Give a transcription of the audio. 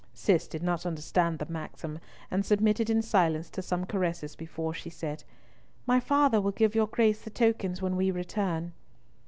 Cis did not understand the maxim, and submitted in silence to some caresses before she said, "My father will give your Grace the tokens when we return."